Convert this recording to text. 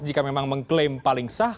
jika memang mengklaim paling sah